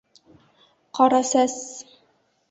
Ҡарасәс: